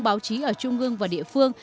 báo chí ở trung ương và địa phương